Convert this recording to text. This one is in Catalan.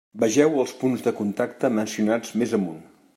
Vegeu els punts de contacte mencionats més amunt.